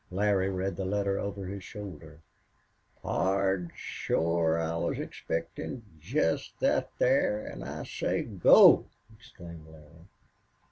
Larry read the letter over his shoulder. "Pard, shore I was expectin' jest thet there, an' I say go!" exclaimed Larry.